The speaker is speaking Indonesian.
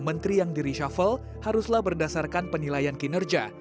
menteri yang diri syafel haruslah berdasarkan penilaian kinerja